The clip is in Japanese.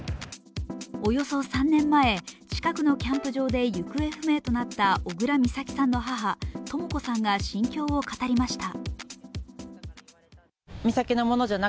およそ３年前、近くのキャンプ場で行方不明となった小倉美咲さんの母・とも子さんが心境を語りました。